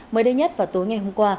mới đây nhất vào tối ngày hôm qua